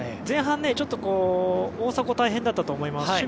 前半、ちょっと大迫、大変だったと思います。